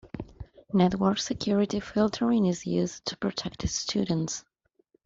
Network security filtering is used to protect students.